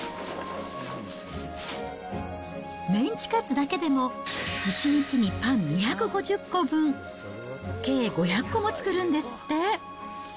メンチカツだけでも１日にパン２５０個分、計５００個も作るんですって。